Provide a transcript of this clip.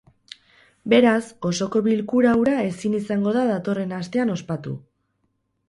Beraz, osoko bilkura hura ezin izango da datorren astean ospatu.